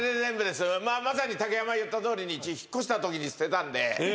まさに竹山が言ったとおりに引っ越したときに捨てたんで。